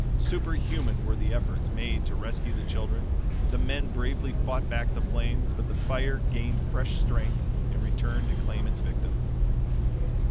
Superhuman were the efforts made to rescue the children; the men bravely fought back the flames; but the fire gained fresh strength, and returned to claim its victims.